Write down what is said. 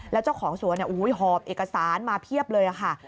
แล้วเจ้าของสวนหอบเอกสารมาเพียบเลยค่ะ